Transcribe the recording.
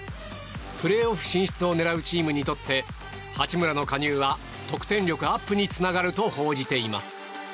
プレーオフ進出を狙うチームにとって八村の加入は得点力アップにつながると報じています。